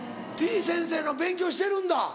てぃ先生の勉強してるんだ。